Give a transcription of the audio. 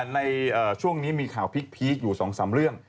ในช่วงนี้มีข่าวพีคอยู่๒๓เรื่อง